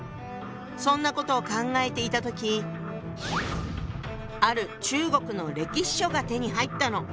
そんなことを考えていた時ある中国の歴史書が手に入ったの。